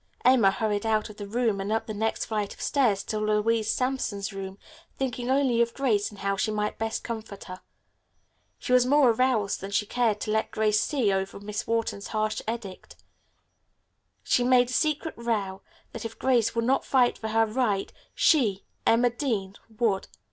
Emma hurried out of the room and up the next flight of stairs to Louise Sampson's room, thinking only of Grace and how she might best comfort her. She was more aroused than she cared to let Grace see over Miss Wharton's harsh edict. She made a secret vow that if Grace would not fight for her rights she, Emma Dean, would.